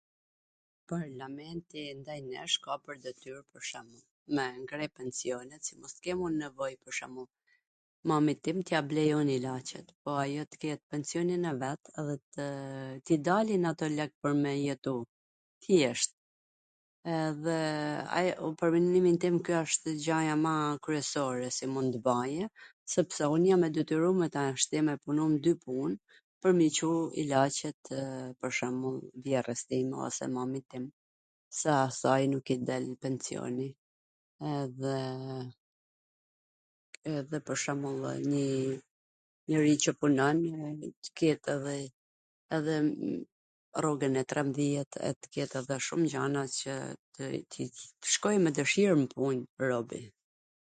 Parlamenti ndaj nesh ka pwr detyr pwr shwmbull me ngre pensionet qw mos tw kem un nevoj pwr shwmbull mamit tim t ja blej un ilaCet, po ajo tw ketw pensionin e vet edhe t i dalin ato lek pwr me jetu, thjesht, ajo, pwr mendimin tim kjo wshtw gjaja ma kryesore si mund bajw, sepse un jam e detyrume tashti me punu nw dy pun, pwr me i Cu ilaCetw pwr shwmbull vjehrrws time ose mamit tim, se asaj nuk i del pensioni, edhe edhe pwr shwmbullw njw njeri qw punon tw ket edhe rrogwn e trembwdhjet, edhe tw ket edhe shum gjana qe t i, tw shkoj me dwshir n pun robi.